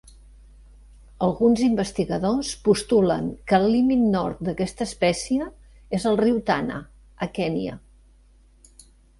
Alguns investigadors postulen que el límit nord d'aquesta espècie és el riu Tana, a Kenya.